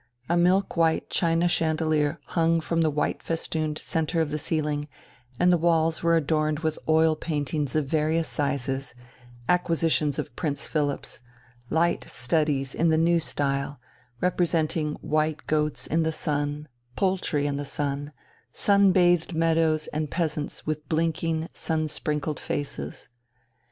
A milk white china chandelier hung from the white festooned centre of the ceiling, and the walls were adorned with oil paintings of various sizes, acquisitions of Prince Philipp's, light studies in the new style, representing white goats in the sun, poultry in the sun, sun bathed meadows and peasants with blinking, sun sprinkled faces.